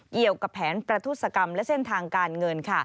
เกี่ยวกับแผนประทุศกรรมและเส้นทางการเงิน